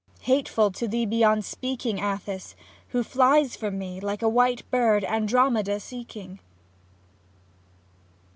Hateful to thee beyond speaking, Atthis, who fliest from me Like a white bird Andromeda seeking.